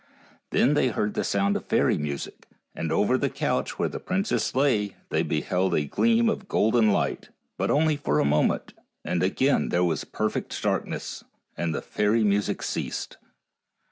Then they heard the sound of fairy music, and over the couch where the princess lay they beheld a gleam of golden light, but only for a moment; and again there was perfect darkness, and the fairy music ceased.